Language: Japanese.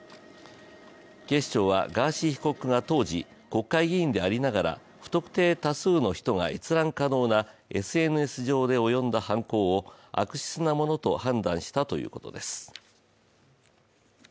警視庁はガーシー被告が当時、国会議員でありながら不特定多数の人が閲覧可能なＳＮＳ上で及んだ犯行を悪質なものと判断したということです。